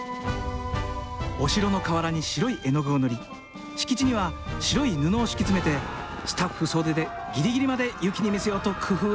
お城の瓦に白い絵の具を塗り敷地には白い布を敷き詰めてスタッフ総出でぎりぎりまで雪に見せようと工夫したんですよね。